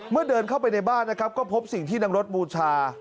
เดินเข้าไปในบ้านนะครับก็พบสิ่งที่นางรถบูชา